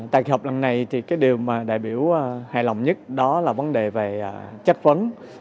tại kỳ họp lần này điều mà đại biểu hài lòng nhất đó là vấn đề về chất vấn